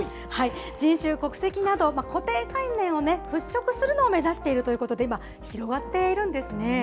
人種、国籍など、固定観念を払拭するのを目指しているということで、今、広がっているんですね。